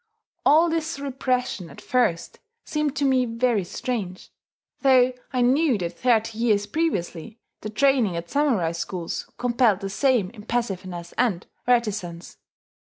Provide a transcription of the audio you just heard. All this repression at first seemed to me very strange though I knew that thirty years previously, the training at samurai schools compelled the same impassiveness and reticence.